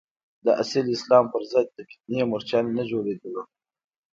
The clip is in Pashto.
د اصیل اسلام پر ضد د فتنې مورچل نه جوړېدلو.